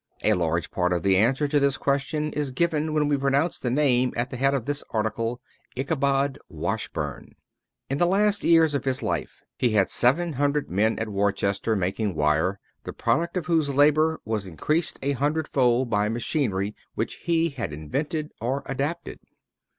A large part of the answer to this question is given when we pronounce the name at the head of this article, Ichabod Washburn. In the last years of his life he had seven hundred men at Worcester making wire, the product of whose labor was increased a hundred fold by machinery which he had invented or adapted.